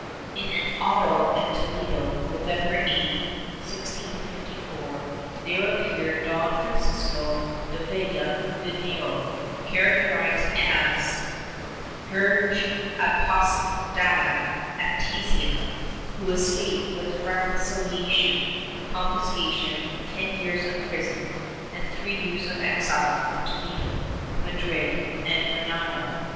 In an auto at Toledo, November 8, 1654, there appeared Don Francisco de Vega Vinero, characterized as ''herege apostata, ateista," who escaped with reconcihation, con fiscation, ten years of prison and three years of exile from Toledo, Madrid and Renedo.